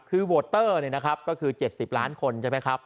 คือโวเตอร์เนี่ยนะครับก็คือ๗๐ล้านคนใช่ไหมครับ